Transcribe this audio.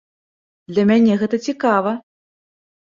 Для мяне гэта цікава.